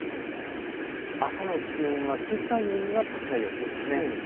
朝の気温はけさよりは高い予想です。